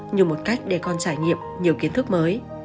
như một cách để con trải nghiệm nhiều kiến thức mới